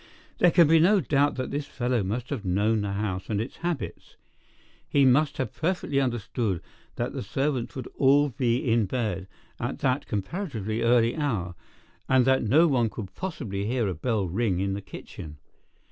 There can be no doubt that this fellow must have known the house and its habits. He must have perfectly understood that the servants would all be in bed at that comparatively early hour, and that no one could possibly hear a bell ring in the kitchen.